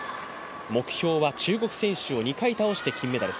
目標は中国選手を２回倒して金メダル。